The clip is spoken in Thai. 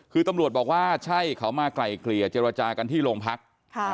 คือตำรวจบอกว่าใช่เขามาไกลเกลี่ยเจรจากันที่โรงพัก